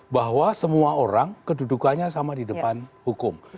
bahwa semua orang kedudukannya sama di depan hukum